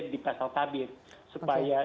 di pasal tabir supaya